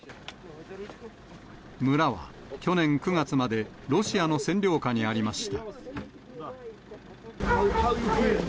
村は去年９月まで、ロシアの占領下にありました。